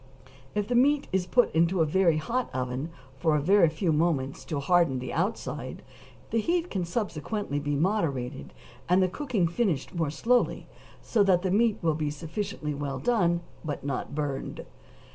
If the meat is put into a very hot oven for a few moments to harden the outside, the heat can subsequently be moderated, and the cooking finished more slowly, so that the meat will be sufficiently well done, but not burned.